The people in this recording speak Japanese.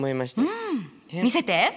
うん見せて。